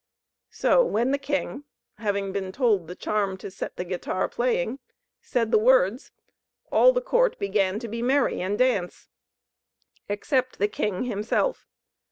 So when the king, having been told the charm to set the guitar playing, said the words, all the court began to be merry, and dance except the king himself!...